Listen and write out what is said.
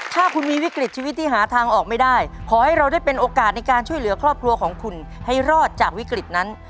ถ้าคุณมีวิกฤตชีวิตที่หาทางออกไม่ได้ขอให้เราได้เป็นโอกาสในการช่วยเหลือครอบครัวของคุณให้รอดจากวิกฤตนั้น